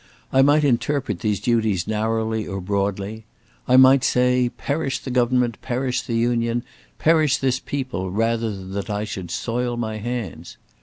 I might interpret these duties narrowly or broadly. I might say: Perish the government, perish the Union, perish this people, rather than that I should soil my hands!